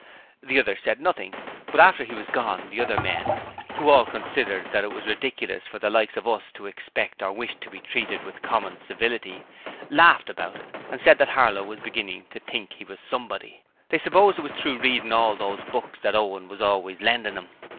The others said nothing; but after he was gone the other men who all considered that it was ridiculous for the 'likes of us' to expect or wish to be treated with common civility laughed about it, and said that Harlow was beginning to think he was Somebody: they supposed it was through readin' all those books what Owen was always lendin' 'im.